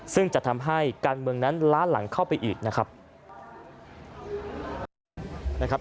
ซึ่งจะทำให้การเมืองนั้นล้าหลังเข้าไปอีกนะครับ